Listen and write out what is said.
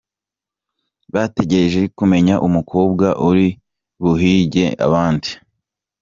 Bategereje kumenya umukobwa uri buhige abandi.